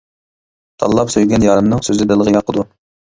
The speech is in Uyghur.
تاللاپ سۆيگەن يارىمنىڭ، سۆزى دىلغا ياقىدۇ.